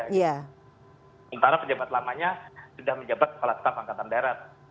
sementara pejabat lamanya sudah menjabat kepala staf angkatan darat